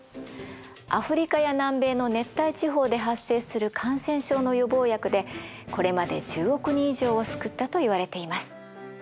アフリカや南米の熱帯地方で発生する感染症の予防薬でこれまで１０億人以上を救ったといわれています。